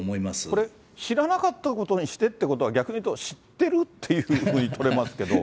これ、知らなかったことにしてってことは、逆に言うと、知ってるっていうふうに取れますけど。